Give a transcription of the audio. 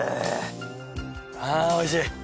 あおいしい。